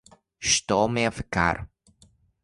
Estou-me a ficar.